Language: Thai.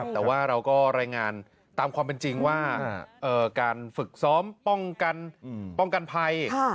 แต่ว่าเราก็รายงานตามความเป็นจริงว่าการฝึกซ้อมป้องกันป้องกันภัย